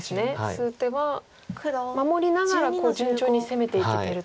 数手は守りながら順調に攻めていけてると。